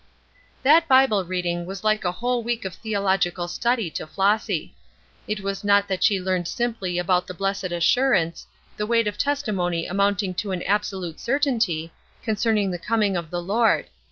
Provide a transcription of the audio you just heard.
That Bible reading was like a whole week of theological study to Flossy. It was not that she learned simply about the blessed assurance, the weight of testimony amounting to an absolute certainty, concerning the coming of the Lord.